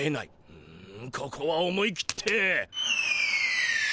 ううむここは思い切って。